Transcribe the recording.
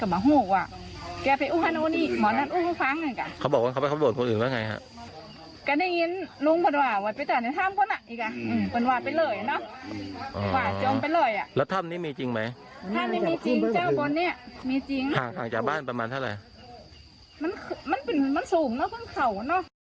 มันสูงนะมันเผ่าน่ะ